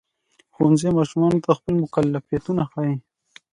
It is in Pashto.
ښوونځی ماشومانو ته خپل مکلفیتونه ښيي.